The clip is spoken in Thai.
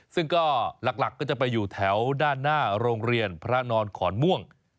ซึ่งก็หลักก็จะไปอยู่แถวด้านหน้าโรงเรียนพระนอนขอนม่วง